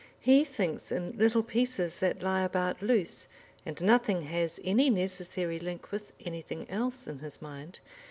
He thinks in little pieces that lie about loose, and nothing has any necessary link with anything else in his mind.